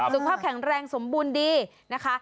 สุขภาพแข็งแรงสมบูรณ์ดีนะคะ